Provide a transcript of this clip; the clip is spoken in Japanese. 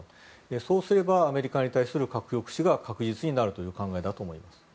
そうすればアメリカに対する核抑止が確実になるという考えだと思います。